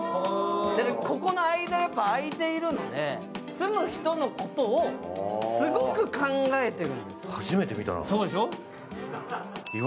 ここの間やっぱり開いているので、住む人のことをすごく考えているんです。